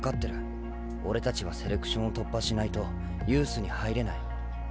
俺たちはセレクションを突破しないとユースに入れない。